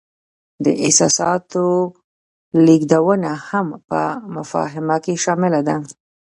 د احساساتو لیږدونه هم په مفاهمه کې شامله ده.